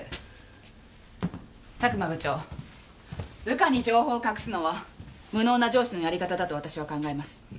佐久間部長部下に情報を隠すのは無能な上司のやり方だと私は考えます。